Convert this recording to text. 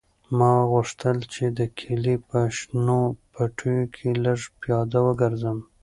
ما غوښتل چې د کلي په شنو پټیو کې لږ پیاده وګرځم.